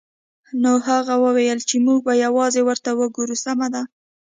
نو هغه وویل چې موږ به یوازې ورته وګورو سمه ده